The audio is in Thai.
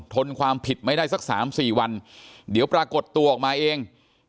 ทนความผิดไม่ได้สัก๓๔วันเดี๋ยวปรากฏตัวออกมาเอง